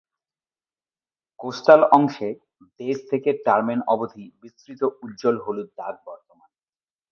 Coastal অংশে, বেস থেকে টার্মেন অবধি বিস্তৃত উজ্জ্বল হলুদ দাগ বর্তমান।